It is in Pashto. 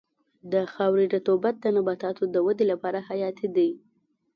د خاورې رطوبت د نباتاتو د ودې لپاره حیاتي دی.